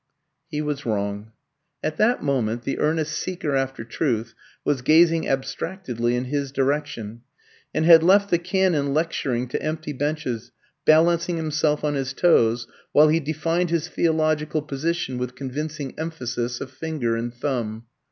He was wrong. At that moment the earnest seeker after truth was gazing abstractedly in his direction, and had left the Canon lecturing to empty benches, balancing himself on his toes, while he defined his theological position with convincing emphasis of finger and thumb.